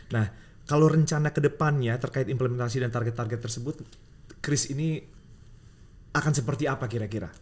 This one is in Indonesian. nah kalau rencana kedepannya terkait implementasi dan target target tersebut kris ini akan seperti apa kira kira